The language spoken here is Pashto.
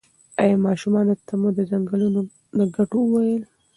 ایا ماشومانو ته مو د ځنګلونو د ګټو وویل؟